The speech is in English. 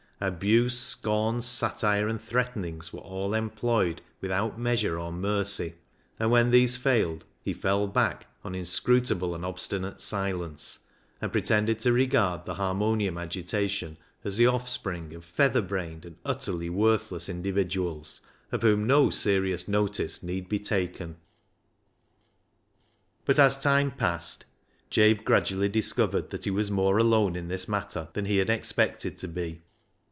Abuse, scorn, satire, and threatenings were all employed without measure or mercy ; and when these failed, he fell back on inscrutable and obstinate silence, and pretended to regard the harmonium agitation as the offspring of feather brained and utterly worthless individuals, of whom no serious notice need be taken. But as time passed, Jabe gradually discovered that he was more alone in this matter than he had expected to be.